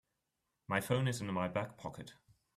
My phone is in my back pocket.